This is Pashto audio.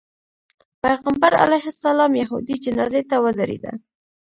پیغمبر علیه السلام یهودي جنازې ته ودرېده.